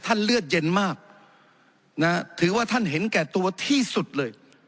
เลือดเย็นมากถือว่าท่านเห็นแก่ตัวที่สุดเลย